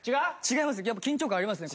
やっぱ緊張感がありますね。